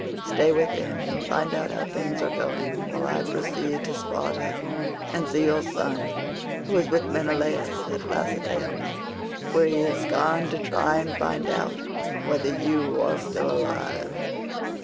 Stay with him and find out how things are going, while I proceed to Sparta and see your son, who is with Menelaus at Lacedaemon, where he has gone to try and find out whether you are still alive."